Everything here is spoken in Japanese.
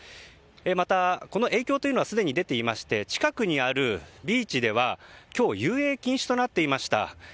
また、この影響はすでに出ていまして近くにあるビーチでは今日、遊泳禁止となっていました。